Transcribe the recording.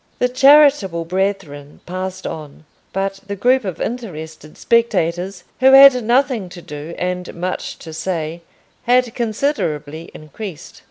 The charitable brethren passed on, but the group of interested spectators, who had nothing to do and much to say, had considerably increased.